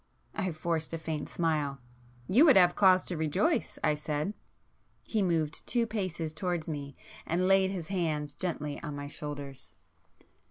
I forced a faint smile. "You would have cause to rejoice!" I said. He moved two paces towards me, and laid his hands gently on my shoulders.